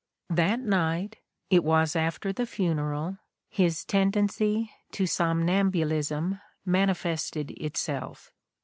That night — it was after the funeral — his tendency to somnambul ism manifested itself.